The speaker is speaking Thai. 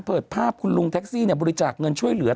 เปิดภาพคุณลุงแท็กซี่บริจาคเงินช่วยเหลือ